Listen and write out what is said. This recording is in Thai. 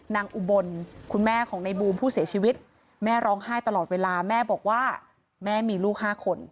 อุบลคุณแม่ของในบูมผู้เสียชีวิตแม่ร้องไห้ตลอดเวลาแม่บอกว่าแม่มีลูก๕คน